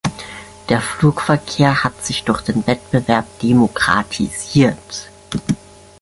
Der Flugverkehr hat sich durch den Wettbewerb demokratisiert.